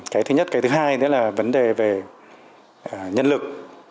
cái thứ nhất cái thứ hai nữa là vấn đề về nhân lực